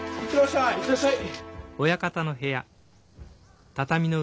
行ってらっしゃい！